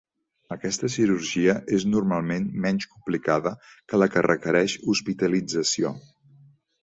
Aquesta cirurgia és normalment menys complicada que la que requereix hospitalització.